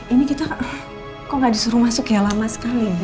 ini kita kok gak disuruh masuk ya lama sekali